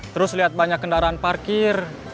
terus lihat banyak kendaraan parkir